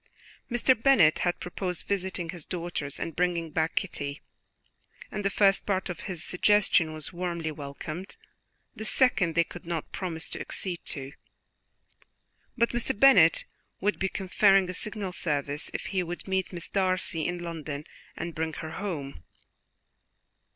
Mr. Bennet had proposed visiting his daughters and bringing back Kitty, and the first part of this suggestion was warmly welcomed; the second they could not promise to accede to, but Mr. Bennet would be conferring a signal service if he would meet Miss Darcy in London and bring her home.